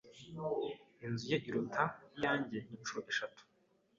Inzu ye iruta iyanjye inshuro eshatu.